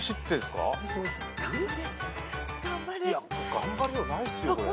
頑張りようないっすよこれ。